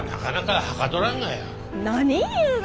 何言うが。